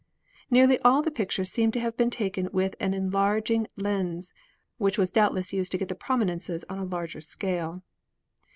Nearly all the pictures seem to have been taken with an enlarging lens, which was doubtless used to get the prominences on a larger scale."